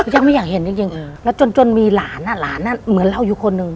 ยังไม่อยากเห็นจริง